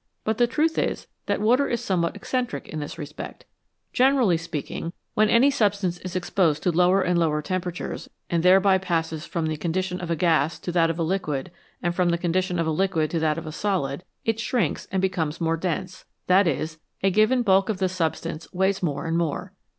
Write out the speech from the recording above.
But the truth is that water is somewhat eccentric in this respect. Generally speaking, when any substance is exposed to lower and 96 NATURAL WATERS lower temperatures, and thereby passes from the con dition of a gas to that of a liquid, and from the con dition of a liquid to that of a solid, it shrinks and becomes more dense that is, a given bulk of the substance weighs more ami more.